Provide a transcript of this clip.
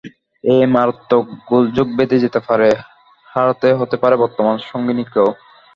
এতে মারাত্মক গোলযোগ বেঁধে যেতে পারে, হারাতে হতে পারে বর্তমান সঙ্গিনীকেও।